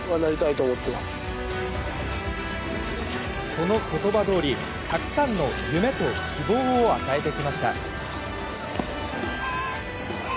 その言葉どおりたくさんの夢と希望を与えてきました。